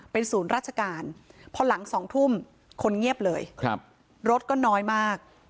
เป็นศูนย์ราชการพอหลัง๒ทุ่มคนเงียบเลยครับรถก็น้อยมาก